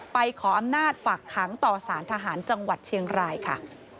ขออำนาจฝากขังต่อสารทหารจังหวัดเชียงรายค่ะ